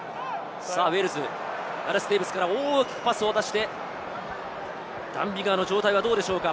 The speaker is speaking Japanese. ウェールズ、ガレス・デーヴィスから大きくパスを出してダン・ビガーの状態はどうでしょうか？